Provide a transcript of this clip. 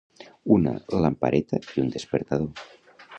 Una lampareta i un despertador.